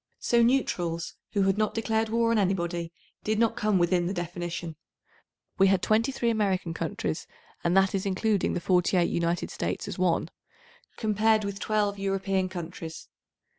So neutrals who had not declared war on anybody did not come within the definition. We had 23 American countries, and that is including the 864 48 United States as one, compared with 12 European countries.